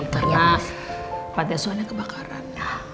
karena pantiasuhannya kebakaran